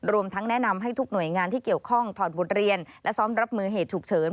รวมทั้งแนะนำให้ทุกหน่วยงานที่เกี่ยวข้องถอดบทเรียนและซ้อมรับมือเหตุฉุกเฉิน